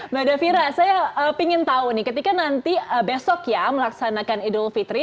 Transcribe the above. mbak davira saya ingin tahu nih ketika nanti besok ya melaksanakan idul fitri